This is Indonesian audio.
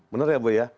benar ya bu ya